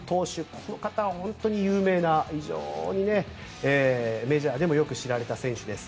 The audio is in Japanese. この方は本当に有名な非常にメジャーでもよく知られた選手です。